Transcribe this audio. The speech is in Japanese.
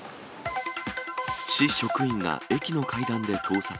市職員が駅の階段で盗撮。